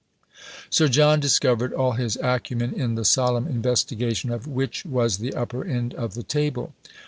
Sir John discovered all his acumen in the solemn investigation of "Which was the upper end of the table?"